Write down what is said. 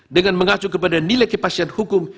dengan mengacu kepada nilai kepastian hukum